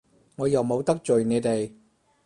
我又冇得罪你哋！